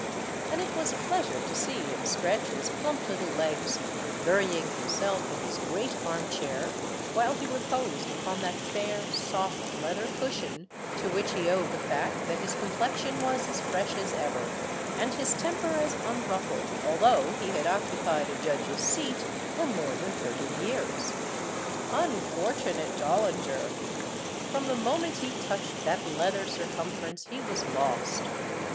" and it was a pleasure to see him stretch his plump little legs, burying himself in his great armchair, while he reposed upon that fair, soft leather cushion to which he owed the fact that his com plexion was as fresh as ever, and his temper as unruffled, although he had occupied a judge's seat for more than thirty years. Unfortunate Dollinger ! From the moment he touched that leather cir cumference he was lost.